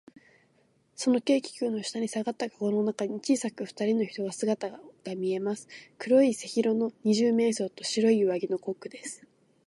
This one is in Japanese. その軽気球の下にさがったかごの中に、小さくふたりの人の姿がみえます。黒い背広の二十面相と、白い上着のコックです。